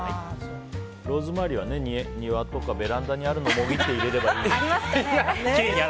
ローズマリーは庭とかベランダにあるものをもぎって入れればいいですからね。